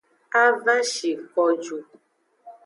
A va shi ko ju.